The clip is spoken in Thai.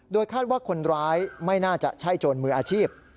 คาดว่าคนร้ายไม่น่าจะใช่โจรมืออาชีพ